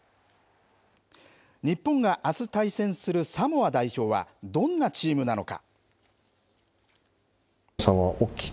日本があす対戦するサモア代表はどんなチームなのか。